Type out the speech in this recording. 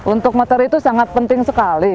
untuk materi itu sangat penting sekali